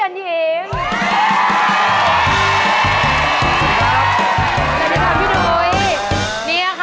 มาให้เราได้คั